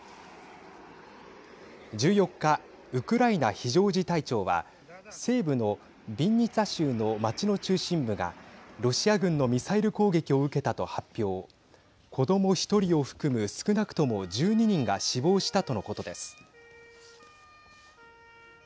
１４日、ウクライナ非常事態庁は西部のビンニツァ州の街の中心部がロシア軍のミサイル攻撃を受けたと発表子ども１人を含む少なくとも１２人が死亡したとのことです。